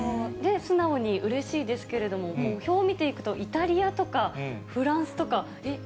素直にうれしいですけれども、表を見ていくと、イタリアとか、フランスとか、えっ？